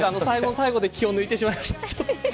最後の最後で気を抜いてしまいました。